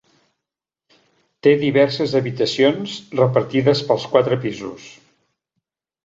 Té diverses habitacions repartides pels quatre pisos.